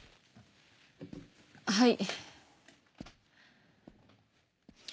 はい。